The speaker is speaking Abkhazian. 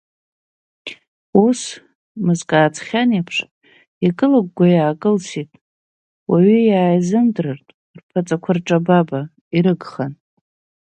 Ус, мызкы ааҵхьан еиԥш, икылыгәгәа иаакылсит, уаҩы иааизымдырыртә, рԥаҵақәа рҿабаба, ирыгханы.